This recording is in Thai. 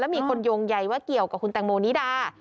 มีคนโยงใยว่าเกี่ยวกับคุณแตงโมนิดา